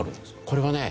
これはね